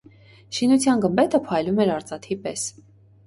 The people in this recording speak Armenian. Շինության գմբեթը փայլում էր արծաթի պես։